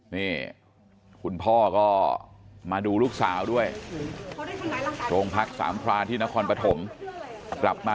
นี่คุณพ่อก็มาดูลูกสาวด้วยโรงพักสามพรานที่นครปฐมกลับมา